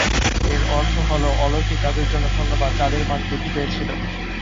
এর অর্থ হল, অলৌকিক কাজের জন্য ধন্যবাদ, চাঁদের মান বৃদ্ধি পেয়েছিল।